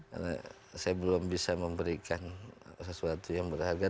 karena saya belum bisa memberikan sesuatu yang berharga